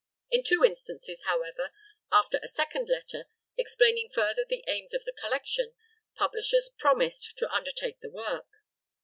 In two instances, however, after a second letter, explaining further the aims of the collection, publishers promised to undertake the work.